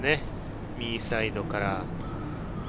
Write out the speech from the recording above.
右サイドから。